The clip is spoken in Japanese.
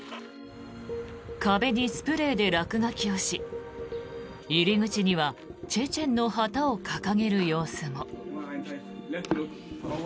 壁にスプレーで落書きをし入り口にはチェチェンの旗を掲げる様子も。